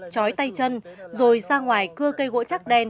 chói tay chân rồi ra ngoài cưa cây gỗ chắc đen